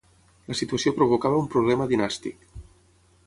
La situació provocava un problema dinàstic.